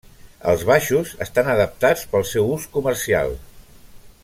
Els baixos estan adaptats pel seu ús comercial.